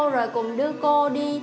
rồi cùng đưa cô đi